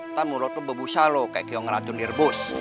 ntar mulut lu bebusa lu kayak kaya ngeracun di rebus